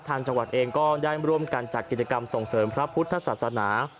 ทางจังหวัดเองก็ได้ร่วมกันจัดกิจกรรมส่งเสริมพระพุทธศาสนา